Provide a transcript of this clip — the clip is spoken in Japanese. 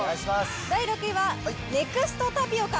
第６位は、ネクストタピオカ！